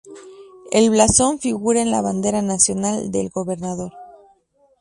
El blasón figura en la bandera nacional del Gobernador.